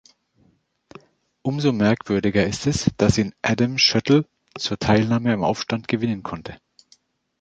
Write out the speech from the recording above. Umso merkwürdiger ist es, dass ihn Adam Schöttl zur Teilnahme am Aufstand gewinnen konnte.